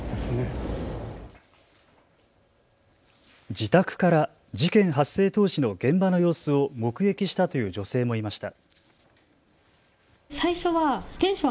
自宅から事件発生当時の現場の様子を目撃したという女性もいました。